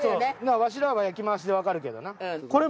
ワシらは焼き増しで分かるけどな。